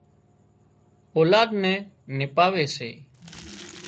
اولاد نين نپاوي سي